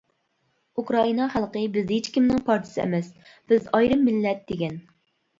ئۇكرائىنا خەلقى بىز ھېچكىمنىڭ پارچىسى ئەمەس ، بىز ئايرىم مىللەت دېگەن .